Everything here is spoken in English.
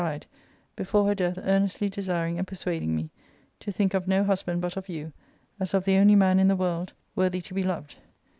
dled,, before her death ear nestly desiring and persuading me to think of no husband but of you, as of the only man in the world worthy to be ARCADIA.Sook I. 43 loved.